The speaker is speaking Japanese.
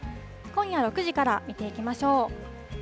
今夜６時から見ていきましょう。